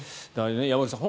山口さん